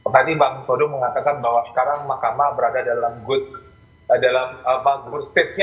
tadi bang todung mengatakan bahwa sekarang mahkamah berada dalam good stage nya